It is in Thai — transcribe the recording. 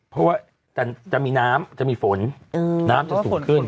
เพราะว่าจะมีน้ำจะมีฝนน้ำจะสูงขึ้น